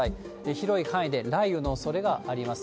広い範囲で雷雨のおそれがあります。